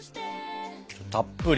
たっぷり。